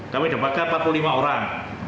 kami dapatkan empat puluh lima orang